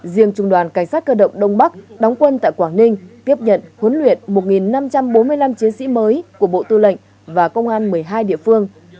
riêng trung đoàn cảnh sát cơ động đông bắc đóng quân tại quảng ninh tiếp nhận huấn luyện một năm trăm bốn mươi năm chiến sĩ mới của bộ tư lệnh và công an một mươi hai địa phương